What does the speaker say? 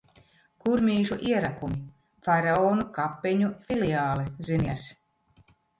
Kurmīšu ierakumi. Faraonu kapeņu filiāle, zinies!